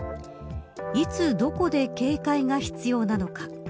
いつ、どこで警戒が必要なのか。